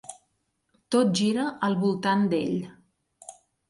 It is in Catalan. Tot gira al voltant d'ell.